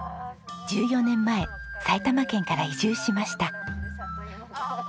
１４年前埼玉県から移住しました。